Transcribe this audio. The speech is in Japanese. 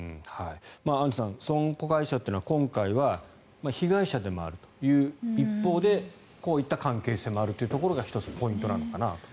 アンジュさん損保会社というのは今回は被害者でもあるという一方でこういった関係性もあるというところが１つ、ポイントなのかなと。